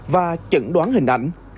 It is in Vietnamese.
và trận đoán hình ảnh